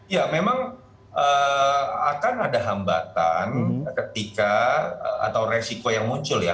ya memang akan ada hambatan ketika atau resiko yang muncul ya